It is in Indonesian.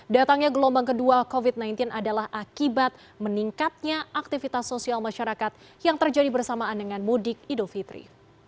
datangnya gelombang kedua covid sembilan belas adalah akibat meningkatnya aktivitas sosial masyarakat yang terjadi bersamaan dengan mudik idul fitri